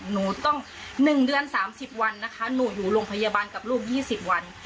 หนูต้อง๑เดือน๓๐วันนะคะหนูอยู่โรงพยาบาลกับลูก๒๐วัน